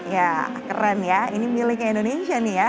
ya keren ya ini miliknya indonesia nih ya